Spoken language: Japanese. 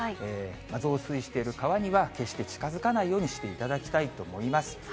増水している川には決して近づかないようにしていただきたいと思います。